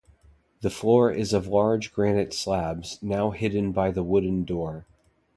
The floor is of large granite slabs, now hidden by the wooden floor.